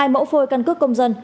hai mẫu phôi căn cước công dân